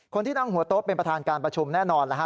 คนที่นั่งหัวโต๊ะเป็นประธานการประชุมแน่นอน